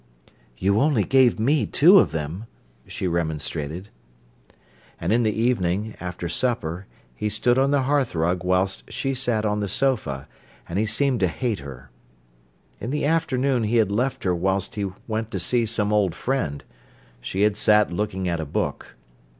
"You only gave me two of them," she remonstrated. And in the evening, after supper, he stood on the hearthrug whilst she sat on the sofa, and he seemed to hate her. In the afternoon he had left her whilst he went to see some old friend. She had sat looking at a book.